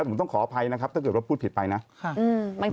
ผมต้องขออภัยนะครับถ้าเกิดว่าพูดผิดไปนะ